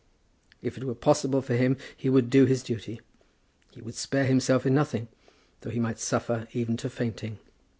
If it were possible for him he would do his duty. He would spare himself in nothing, though he might suffer even to fainting.